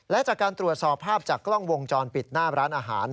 และจากการตรวจสอบภาพจากกล้องวงจรปิดหน้าร้านอาหาร